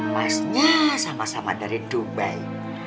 masnya sama sama dari dubai